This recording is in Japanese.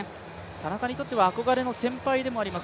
田中にとっては憧れの先輩であります